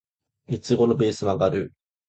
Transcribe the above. いつ頃ベース曲がる？